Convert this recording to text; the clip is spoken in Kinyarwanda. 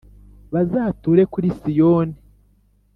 Bazature kuri Siyoni.